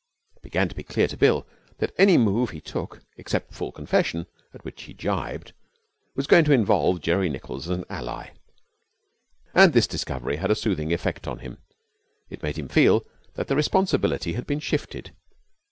It began to be clear to Bill that any move he took except full confession, at which he jibbed was going to involve Jerry Nichols as an ally; and this discovery had a soothing effect on him. It made him feel that the responsibility had been shifted.